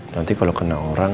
nanti kalau kena orang